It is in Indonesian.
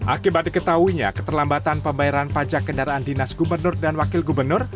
akibat diketahuinya keterlambatan pembayaran pajak kendaraan dinas gubernur dan wakil gubernur